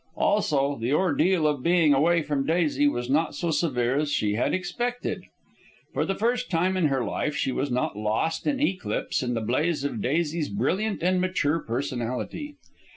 Also, the ordeal of being away from Daisy was not so severe as she had expected. For the first time in her life she was not lost in eclipse in the blaze of Daisy's brilliant and mature personality.